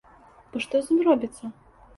Бо што з ім робіцца?